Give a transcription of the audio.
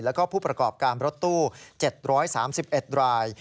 แล้วก็ผู้ประกอบการรถตู้๗๓๑ราย